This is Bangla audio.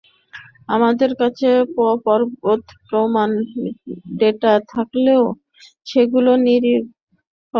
আমাদের কাছে পর্বতপ্রমাণ ডেটা থাকলেও সেগুলো নীরিক্ষার জন্য কম্পিউটারগুলোর যথেষ্ট সক্ষমতা নেই!